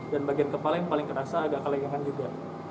dan bagian kepala yang paling terasa agak kalengangan juga